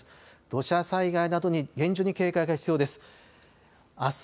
土砂災害などに厳重に警戒が必要です。